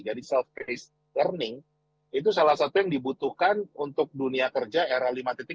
jadi self based learning itu salah satu yang dibutuhkan untuk dunia kerja era lima